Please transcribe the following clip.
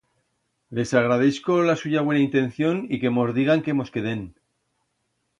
Les agradeixco la suya buena intención y que mos digan que mos quedem.